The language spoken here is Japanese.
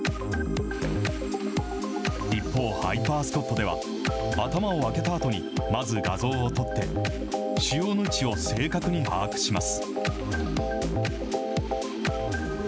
一方、ハイパー・スコットでは、頭を開けたあとにまず画像を撮って、腫瘍の位置を正確に把握します。